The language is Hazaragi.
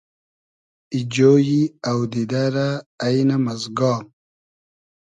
ای جۉیی اۆدیدۂ رۂ اݷنئم از گا